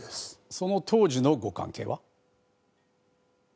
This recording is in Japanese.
その当時のご関係は？